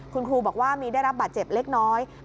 คุณครูบอกว่ามีได้รับบาดเจ็บเล็กน้อย